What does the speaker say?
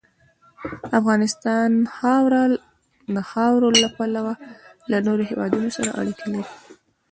افغانستان د خاوره له پلوه له نورو هېوادونو سره اړیکې لري.